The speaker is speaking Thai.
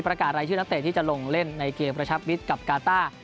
ประกาศรายชื่อนักเตะที่จะลงเล่นในเกมประชับมิตรกับกาต้า